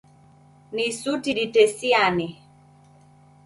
Ni suti ditesiane.